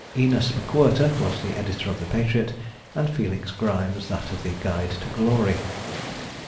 Æneas M'Quirter was the editor of the Patriot, and Felix Grimes that of the Guide to Glory.